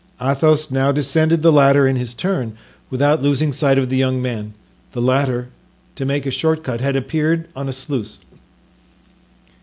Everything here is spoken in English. Athos now descended the ladder in his turn, without losing sight of the young man. The latter, to make a short cut, had appeared on a sluice.